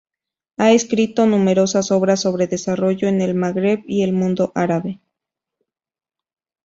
Ha escrito numerosas obras sobre desarrollo en el Magreb y el mundo árabe.